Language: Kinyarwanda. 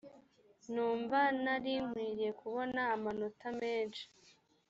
numva nari nkwiriye kubona amanota menshi